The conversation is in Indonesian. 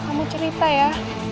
kamu cerita ya